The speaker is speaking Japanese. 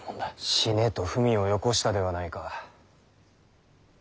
「死ね」と文をよこしたではないか。